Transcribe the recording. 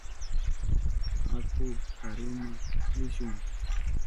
Aku karuma rishun.